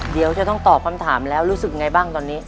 เดี๋ยวจะต้องตอบคำถามแล้วรู้สึกไงบ้างตอนนี้